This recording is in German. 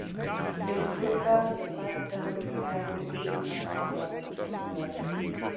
In Stuttgart betreibt er mit zwei Kollegen eine Anwaltskanzlei.